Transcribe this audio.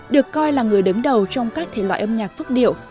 được coi là người đứng đầu trong các thể loại âm nhạc phúc điệu